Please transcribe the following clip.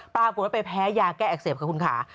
ปรากฏว่าไปแพ้ยาแก้อักเสบค่ะคุณค่ะ